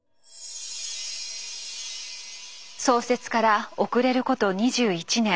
創設から遅れること２１年